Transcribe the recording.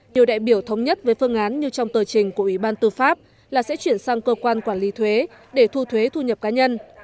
nhiều đại biểu thống nhất với phương án như trong tờ trình của ủy ban tư pháp là sẽ chuyển sang cơ quan quản lý thuế để thu thuế thu nhập cá nhân